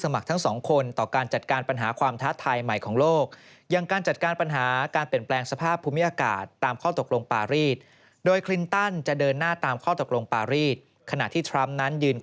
ในสถานการณ์นี้ถ้าหากว่านายโพทิเชียจะเป็นประเทศต่างในเอเชีย